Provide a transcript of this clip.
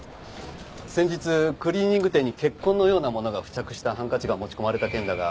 先日クリーニング店に血痕のようなものが付着したハンカチが持ち込まれた件だが。